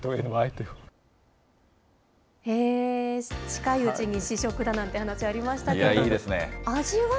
近いうちに試食だなんていう話ありましたけれども。